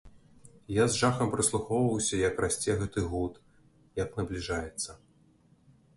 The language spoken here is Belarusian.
Я з жахам прыслухоўваўся, як расце гэты гуд, як набліжаецца.